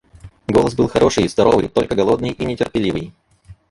Голос был хороший, здоровый, только голодный и нетерпеливый.